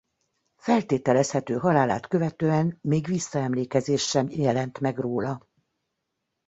Feltételezhető halálát követően még visszaemlékezés sem jelent meg róla.